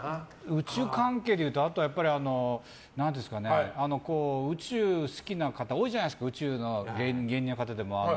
宇宙関係でいうとあとは、宇宙好きな方多いじゃないですか宇宙の芸人の方でも。